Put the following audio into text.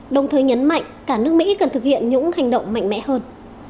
đồng thời nhấn mạnh cả nước mỹ cần thực hiện những hành động mạnh mẽ hơn